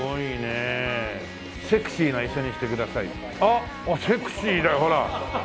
あっセクシーだよほら。